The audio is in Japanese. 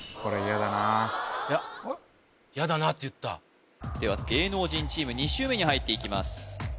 「嫌だな」って言ったでは芸能人チーム２周目に入っていきます